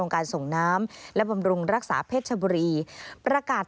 ขอให้ย้ายไปอยู่ในที่ที่ปลอดภัย